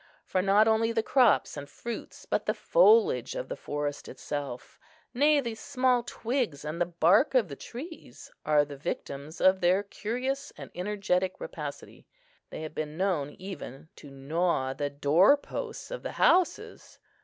For not only the crops and fruits, but the foliage of the forest itself, nay, the small twigs and the bark of the trees are the victims of their curious and energetic rapacity. They have been known even to gnaw the door posts of the houses.